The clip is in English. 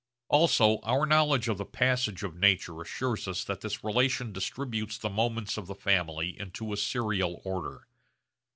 Also our knowledge of the passage of nature assures us that this relation distributes the moments of the family into a serial order.